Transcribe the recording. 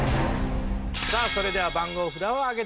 さあそれでは番号札を上げてください。